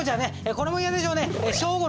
これも嫌でしょうね。